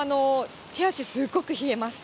手足、すっごく冷えます。